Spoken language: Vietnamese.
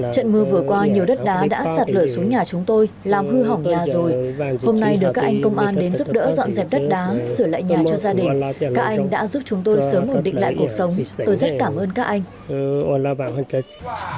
trận mưa vừa qua nhiều đất đá đã sạt lở xuống nhà chúng tôi làm hư hỏng nhà rồi hôm nay được các anh công an đến giúp đỡ dọn dẹp đất đá sửa lại nhà cho gia đình các anh đã giúp chúng tôi sớm ổn định lại cuộc sống tôi rất cảm ơn các anh